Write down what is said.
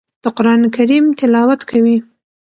د قران کریم تلاوت کوي.